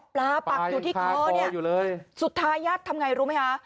ปักอยู่ที่คอเนี่ยสุดท้ายญาติทำไงรู้ไหมคะ